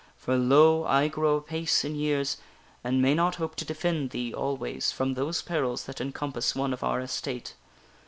For, lo ! I grow apace in years, and may not hope to defend thee always from those perils that encompass one of our estate.